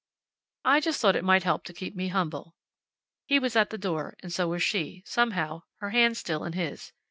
"I just thought it might help to keep me humble." He was at the door, and so was she, somehow, her hand still in his.